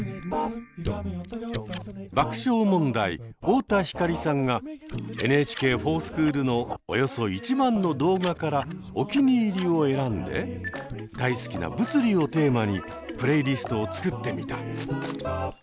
爆笑問題太田光さんが「ＮＨＫｆｏｒＳｃｈｏｏｌ」のおよそ１万の動画からおきにいりを選んで大好きな「物理」をテーマにプレイリストを作ってみた。